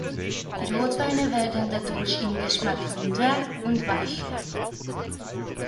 Die Rotweine werden dadurch im Geschmack runder und weicher.